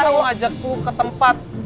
gua mau ajak lu ke tempat